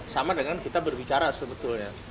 sama dengan kita berbicara sebetulnya